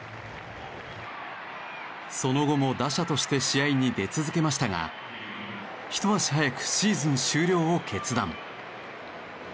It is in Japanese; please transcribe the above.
その後も打者として試合に出続けましたがひと足早くシーズン終了を決断。